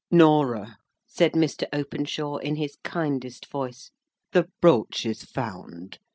"Norah!" said Mr. Openshaw, in his kindest voice, "the brooch is found.